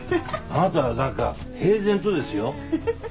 あなたは何か平然とですよ